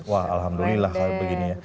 wah alhamdulillah kalau begini